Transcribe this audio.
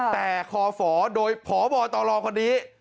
แต่ขอฝอโดยฝอบ่อต่อรองคนนี้